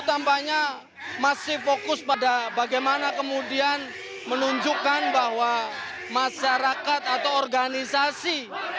tampaknya masih fokus pada bagaimana kemudian menunjukkan bahwa masyarakat atau organisasi